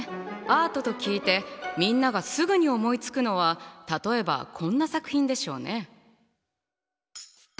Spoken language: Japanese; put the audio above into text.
アートと聞いてみんながすぐに思いつくのは例えばこんな作品でしょうね。